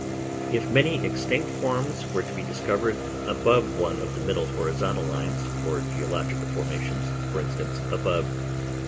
If many extinct forms were to be discovered above one of the middle horizontal lines or geological formations—for instance, above No.